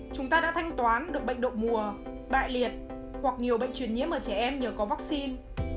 chúng ta đã thanh toán được bệnh độ mùa bại liệt hoặc nhiều bệnh truyền nhiễm ở trẻ em nhờ có vắc xin